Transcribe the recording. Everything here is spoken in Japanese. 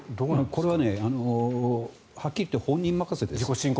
これははっきり言って本人任せです。